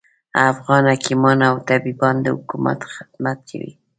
افغان حکیمان او طبیبان د خلکوخدمت کوي